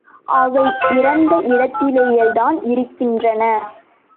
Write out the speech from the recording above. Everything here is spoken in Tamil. அவை இருந்த இடத்திலேயேதான் இருக்கின்றன.